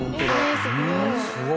えすごい。